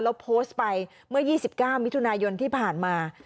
แล้วโพสต์ไปเมื่อ๒๙มิถุนายนที่ผ่านมา